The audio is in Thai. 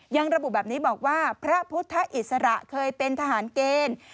ยังระบุแบบนี้บอกว่าพระพุทธอิสระเคยเป็นทหารเกณฑ์